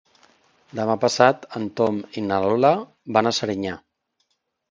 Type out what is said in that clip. Demà passat en Tom i na Lola van a Serinyà.